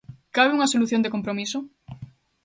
Cabe unha solución de compromiso?